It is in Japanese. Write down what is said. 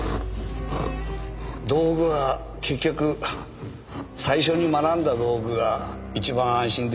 道具は結局最初に学んだ道具が一番安心出来ますからね。